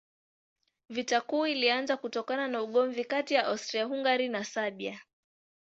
Vita Kuu ilianza kutokana na ugomvi kati ya Austria-Hungaria na Serbia.